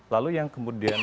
lalu yang kemudian